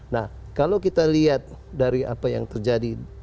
nah kalau kita lihat dari apa yang terjadi